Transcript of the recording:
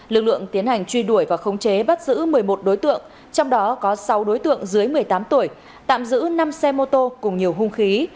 lực lượng tiến hành truy đuổi và khống chế bắt giữ một mươi một đối tượng trong đó có sáu đối tượng dưới một mươi tám tuổi tạm giữ năm xe mô tô cùng nhiều hung khí